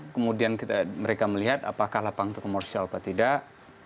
kemudian mereka melihat apakah lapang itu komersial atau tidak